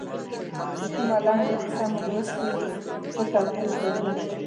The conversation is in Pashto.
که کومه لنډه کیسه مو لوستي وي څه توپیر درلود.